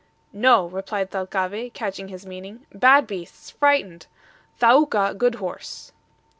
"No," replied Thalcave, catching his meaning. "Bad beasts; frightened; Thaouka, good horse."